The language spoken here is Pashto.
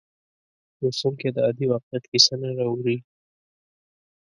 لوستونکی د عادي واقعیت کیسه نه اوري.